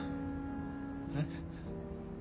えっ。